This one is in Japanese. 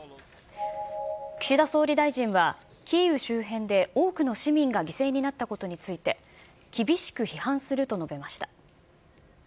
岸田総理大臣はキーウ周辺で多くの市民が犠牲になったことについて、厳しく批判すると述べました。